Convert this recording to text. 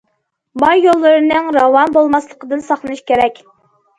ماي يوللىرىنىڭ راۋان بولماسلىقىدىن ساقلىنىش كېرەك.